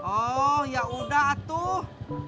oh ya sudah atuh